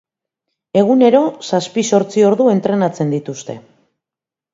Egunero zazpi-zortzi ordu entrenatzen dituzte.